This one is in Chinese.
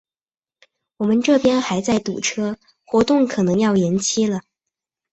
我们这边还在堵车，活动可能要延期了。